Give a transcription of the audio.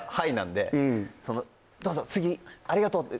「どうぞ次」「ありがとう」